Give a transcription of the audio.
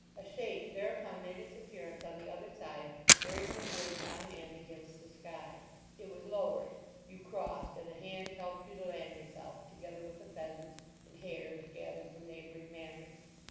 A shape thereupon made its appearance on the other side bearing the bridge on end against the sky; it was lowered; you crossed, and a hand helped you to land yourself, together with the pheasants and hares gathered from neighbouring manors.